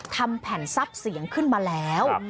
ทำแผ่นทรัพย์เสียงขึ้นมาแล้ว